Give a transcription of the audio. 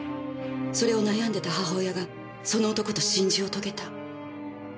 それを悩んでた母親がその男と心中を遂げた。